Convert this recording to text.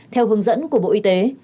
theo hướng dẫn của bộ y tế